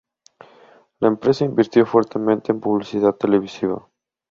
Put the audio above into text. La empresa invirtió fuertemente en publicidad televisiva.